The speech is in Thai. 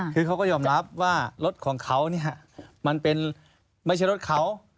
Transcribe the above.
คือเขาก็ยอมรับว่ารถของเขามันเป็นไม่ใช่รถเขา